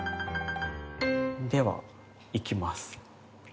ではいきます。